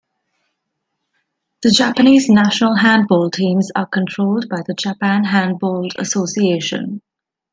The Japanese national handball teams are controlled by the Japan Handball Association.